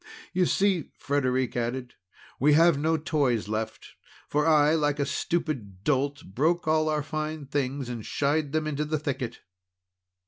"You see," Frederic added, "we have no toys left, for I, like a stupid dolt, broke all our fine things, and shied them into the thicket."